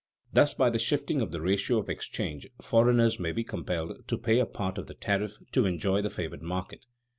Thus, by the shifting of the ratio of exchange, foreigners may be compelled to pay a part of the tariff to enjoy the favored market.